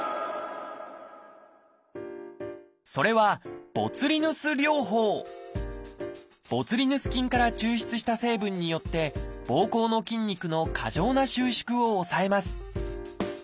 それはボツリヌス菌から抽出した成分によってぼうこうの筋肉の過剰な収縮を抑えます。